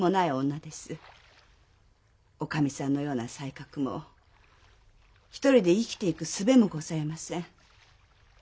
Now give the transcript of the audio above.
女将さんのような才覚も独りで生きていく術もございません。